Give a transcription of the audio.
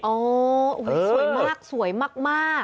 โอ้โหสวยมากสวยมาก